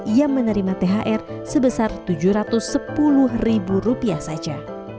ia menerima thr sebesar tujuh ratus sepuluh ribu rupiah saja